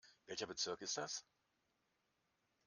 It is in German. Welcher Bezirk ist das?